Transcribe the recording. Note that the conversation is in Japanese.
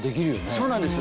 そうなんです。